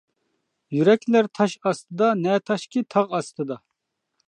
يۈرەكلەر تاش ئاستىدا، نە تاشكى، تاغ ئاستىدا.